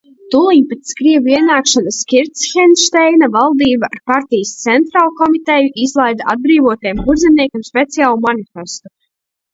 Tūliņ pēc krievu ienākšanas Kirchenšteina valdība ar partijas centrālkomiteju izlaida atbrīvotiem kurzemniekiem speciālu manifestu.